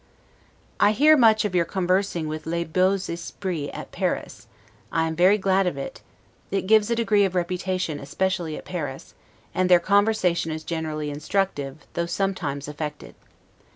I hear much of your conversing with 'les beaux esprits' at Paris: I am very glad of it; it gives a degree of reputation, especially at Paris; and their conversation is generally instructive, though sometimes affected.